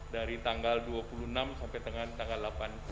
dari tanggal dua puluh enam sampai dengan tanggal delapan